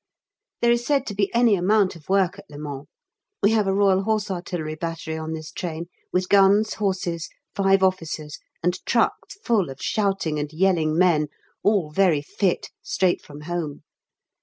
There is said to be any amount of work at Le Mans. We have an R.H.A. Battery on this train with guns, horses, five officers, and trucks full of shouting and yelling men all very fit, straight from home.